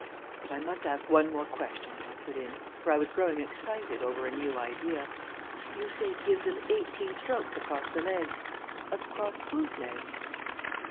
"But I must ask one more question," I put in, for I was growing excited over a new idea. "You say give them eighteen strokes across the legs. Across whose legs?"